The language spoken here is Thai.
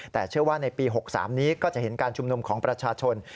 แต่เชื่อว่าในปี๖๓นี้ก็จะเห็นการชุมนุมของประชาชน